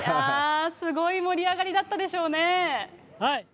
すごい盛り上がりだったでしょうね。